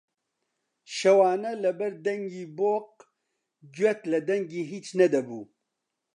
شەوانە لەبەر دەنگی بۆق گوێت لە دەنگی هیچ نەدەبوو